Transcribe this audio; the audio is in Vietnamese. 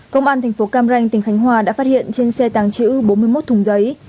công an thành phố cam ranh tỉnh khánh hòa đã phát hiện trên xe tàng trữ bốn mươi một thùng giấy